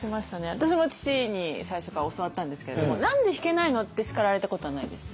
私も父に最初から教わったんですけれども「何で弾けないの」って叱られたことはないです。